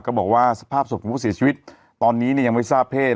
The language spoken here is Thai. บอกว่าสภาพศพของผู้เสียชีวิตตอนนี้เนี่ยยังไม่ทราบเพศ